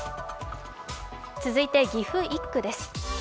続いて、岐阜１区です。